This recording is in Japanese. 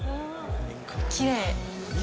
きれい。